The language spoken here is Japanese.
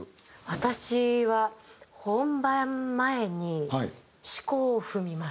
私は本番前に四股を踏みます。